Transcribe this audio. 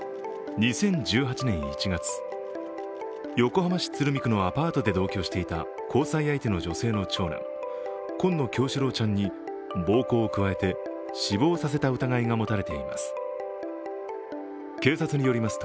２０１８年１月、横浜市鶴見区のアパートで同居していた交際相手の女性の長男、紺野叶志郎ちゃんに暴行を加えて死亡させた疑いが持たれています。